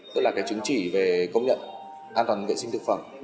tức là cái chứng chỉ về công nhận an toàn vệ sinh thực phẩm